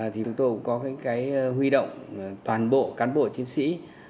thì chúng tôi cũng có cái huy động toàn bộ cán bộ chiến sĩ